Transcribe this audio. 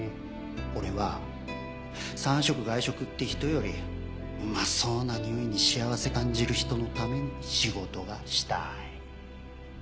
俺は３食外食って人よりうまそうなにおいに幸せ感じる人のために仕事がしたい。